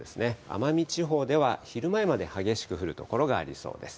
奄美地方では昼前まで激しく降る所がありそうです。